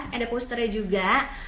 ada posternya juga